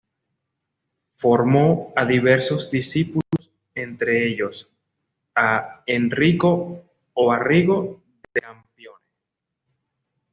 Formó a diversos discípulos entre ellos a Enrico o Arrigo da Campione.